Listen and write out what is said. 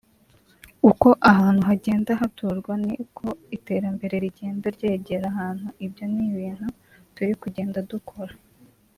uko ahantu hagenda haturwa ni ko iterambere rigenda ryegera ahantu ibyo ni ibintu turi kugenda dukora